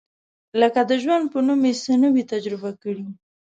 لکه د ژوند په نوم یې څه نه وي تجربه کړي.